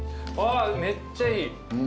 めっちゃいい。